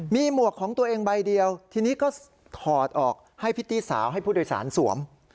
มีหมวกของตัวเองใบเดียวทีนี้ก็ถอดออกให้พริตตี้สาวให้ผู้โดยสารสวม